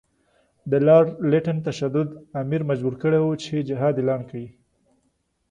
د لارډ لیټن تشدد امیر مجبور کړی وو چې جهاد اعلان کړي.